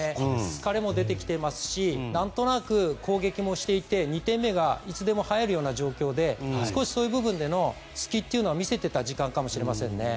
疲れも出てきていますし何となく、攻撃もしていて２点目がいつでも入るような状況で少しそういう部分での隙を見せていた時間かもしれません。